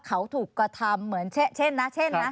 เขาถูกกระทำเหมือนเช่นนะ